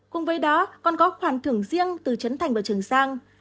cùng với đó còn có khoản thưởng riêng từ trấn thành và trường giang